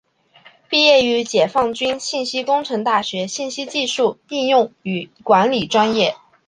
毕业于解放军信息工程大学信息技术应用与管理专业。